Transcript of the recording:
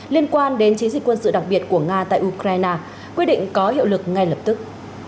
liên quan đến chiến dịch quân sự đặc biệt của nga tại ukraine quyết định có hiệu lực ngay lập tức